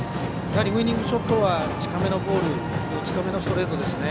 ウイニングショットは近めのボール近めのストレートですね。